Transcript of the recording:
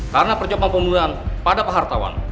karena percobaan pembunuhan pada pahartawan